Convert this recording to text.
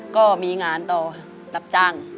ก็มีงานต่อรับจ้าง